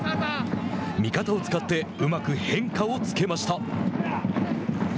味方を使ってうまく変化をつけました。